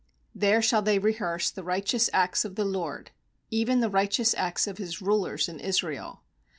There shall they rehearse the right eous acts of the LORD, Even the righteous acts of His rulers in Israel.